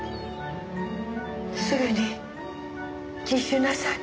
すぐに自首なさい。